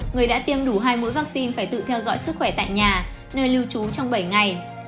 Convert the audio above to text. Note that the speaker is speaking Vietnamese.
người đã tiêm đủ hai mũi vaccine phải tự theo dõi sức khỏe tại nhà nơi lưu trú trong bảy ngày